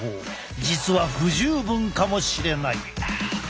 実は不十分かもしれない！